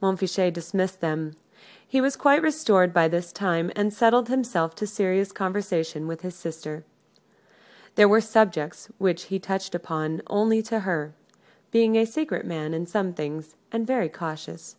Montfichet dismissed them. He was quite restored by this time, and settled himself to a serious conversation with his sister. There were subjects which he touched upon only to her being a secret man in some things, and very cautious.